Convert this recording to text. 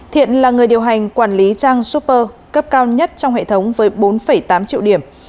thiện là người điều hành quản lý trang super cấp cao nhất trong hệ thống với bốn tám triệu điểm